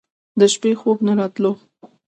د شپې خوب نه راتلو.